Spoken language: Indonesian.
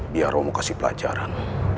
biar romo kasih pelajaran